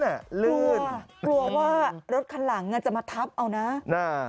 ลื่นกลัวว่ารถคันหลังอ่ะจะมาทับเอานะ